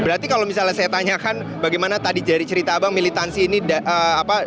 berarti kalau misalnya saya tanyakan bagaimana tadi dari cerita abang militansi ini apa